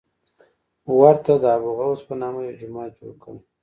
ورته د ابوغوث په نامه یو جومات جوړ کړی.